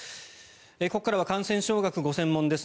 ここからは感染症学がご専門です